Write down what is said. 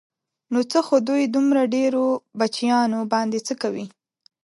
نو څه خو دوی دومره ډېرو بچیانو باندې څه کوي.